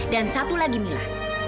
dan satu lagi mila